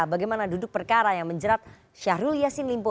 bagaimana duduk perkara yang menjerat syahrul yassin limpo